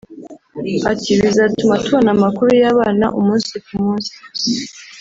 Ati “Bizatuma tubona amakuru y’abana umunsi ku munsi